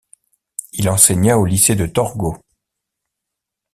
Il enseigna au lycée de Torgau.